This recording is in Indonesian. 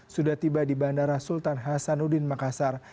sudah tiba di bandara sultan hasanuddin makassar